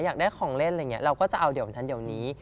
อยากได้ของเล่นอะไรอย่างนี้เราก็จะเอาเดี๋ยวนั้นเดี๋ยวนี้